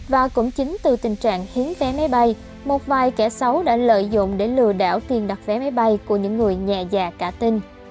và cũng chính từ tình trạng hiến vé máy bay một vài kẻ xấu đã lợi dụng để lừa đảo tiền đặt vé máy bay của những người nhẹ dạ cả tin